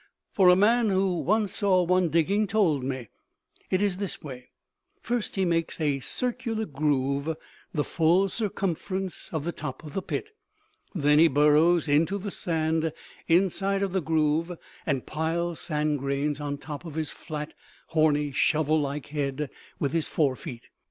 "For a man who once saw one digging told me. It is this way: First he makes a circular groove the full circumference of the top of the pit. Then he burrows into the sand inside of the groove and piles sand grains on top of his flat, horny, shovel like head with his fore feet.